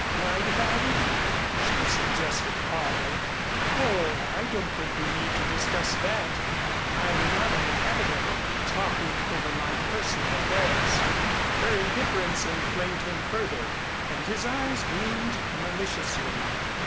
"Lied about it?" she suggested calmly. "Oh, I don't think we need discuss that. I'm not in the habit of talking over my personal affairs." Her indifference inflamed him further and his eyes gleamed maliciously.